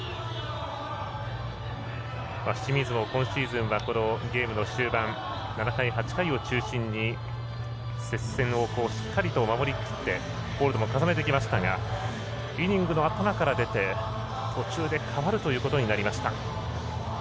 清水も今シーズンはゲームの終盤７回、８回を中心に接戦をしっかりと守りきってホールドも重ねてきましたがイニングの頭から出て途中で代わるということになりました。